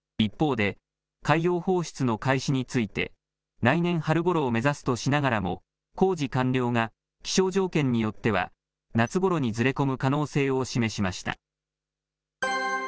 一方で、海洋放出の開始について来年春ごろを目指すとしながらも工事完了が気象条件によっては夏ごろにずれ込む可能性を示しました。